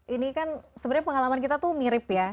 ini kan sebenarnya pengalaman kita tuh mirip ya